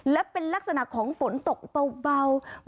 และเป็นลักษณะของฝนตกเบา